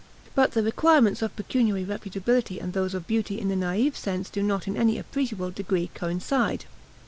But the requirements of pecuniary reputability and those of beauty in the naive sense do not in any appreciable degree coincide.